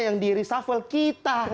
yang di reshuffle kita